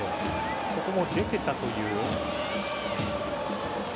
ここも出ていたという。